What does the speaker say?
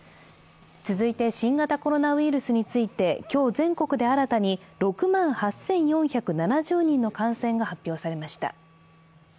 続いて新型コロナウイルスについて、今日、全国で新たに６万８４７０人の感染が発表されました。